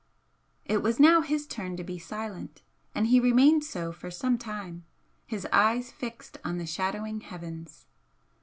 It was now his turn to be silent, and he remained so for some time, his eyes fixed on the shadowing heavens.